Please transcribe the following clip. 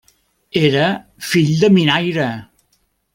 Era fill de minaire.